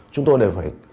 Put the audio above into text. chúng tôi đều phải